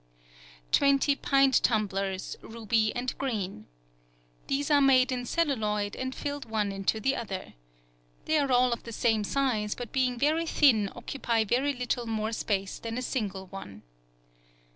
Twenty pint tumblers, ruby and green.—These are made in celluloid and fit one in the other. They are all of the same size, but being very thin occupy very little more space than a single one.